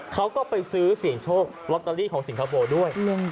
เขาก็ไปซื้อเสี่ยงโชคลอตเตอรี่ของสิงคโปร์ด้วย